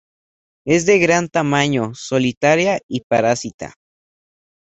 Es de gran tamaño, solitaria y parásita.